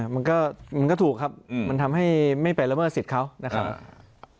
มันก็ถูกครับมันทำให้ไม่ไปละเมิดสิทธิ์เขานะครับ